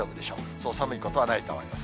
そう寒いことはないと思います。